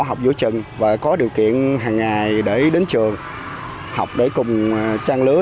học giữa trường và có điều kiện hàng ngày để đến trường học để cùng trang lứa